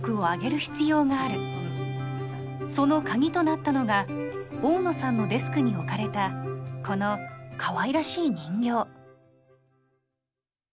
その鍵となったのが大野さんのデスクに置かれたこのかわいらしい人形。